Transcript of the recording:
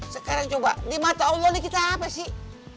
sekarang coba di mata allah ini kita apa sih